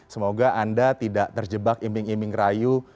semoga anda tidak terjebak imbing imbing rayu